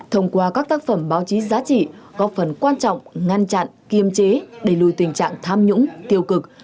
thông qua các tác phẩm báo chí giá trị góp phần quan trọng ngăn chặn kiềm chế đẩy lùi tình trạng tham nhũng tiêu cực